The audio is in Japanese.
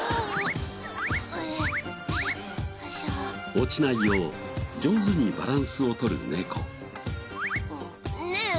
落ちないよう上手にバランスを取る猫。